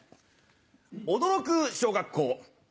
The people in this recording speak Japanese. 驚く小学校。